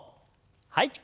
はい。